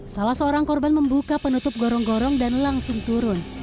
salah seorang korban membuka penutup gorong gorong dan langsung turun